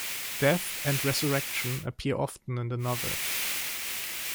Death and resurrection appear often in the novel.